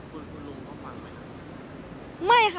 คุณลุงเขาฟังไหม